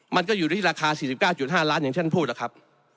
มันก็อยู่ที่ราคา๔๙๕ล้านอย่างฉันพูดล่ะครับ